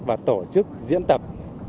và tổ chức diễn tập